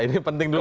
ini penting dulu